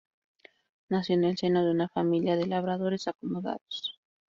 Nació en el seno de una familia de labradores acomodados.